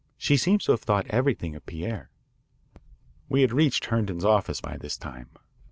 She seems to have thought everything of Pierre." We had reached Herndon's office by this time.